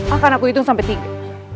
akan aku hitung sampai tiga